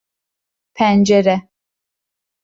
Pencere…